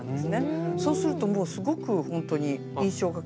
そうするともうすごくほんとに印象が変わりませんか？